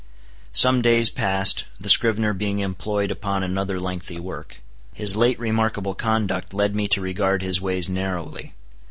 Some days passed, the scrivener being employed upon another lengthy work. His late remarkable conduct led me to regard his ways narrowly.